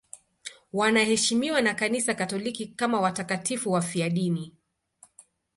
Wanaheshimiwa na Kanisa Katoliki kama watakatifu wafiadini.